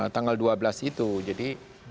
tanggal dua belas itu jadi